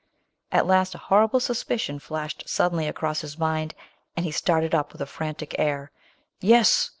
At last a horrible suspicion flashed suddenly across his mind, and he started up with a frantic air. " Yes